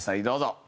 どうぞ。